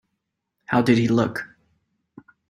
How did he look?